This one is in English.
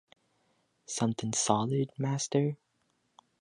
Somethin’ solid, master?